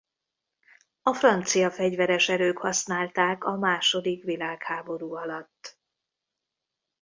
A francia fegyveres erők használták a második világháború alatt.